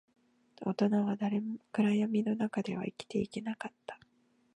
大人は誰も暗闇の中では生きていけなかった